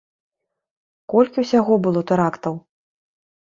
Колькі ўсяго было тэрактаў?